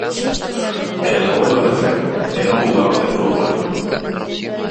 El abuelo de Fer era un jugador de fútbol.